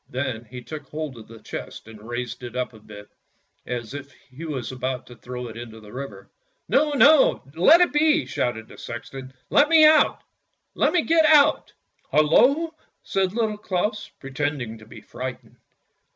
Then he took hold of the chest and raised it up a bit, as if he was about to throw it into the river. " No, no! let it be! " shouted the sexton; " let me get out! "" Hullo! " said Little Claus, pretending to be frightened.